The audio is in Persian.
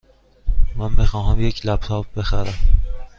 من می خواهم یک لپ تاپ بخرم.